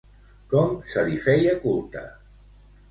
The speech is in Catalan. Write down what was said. Com se li feia culte?